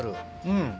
うん。